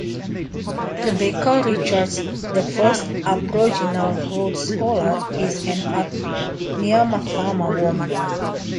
Rebecca Richards, the first Aboriginal Rhodes Scholar, is an Adnyamathanha woman.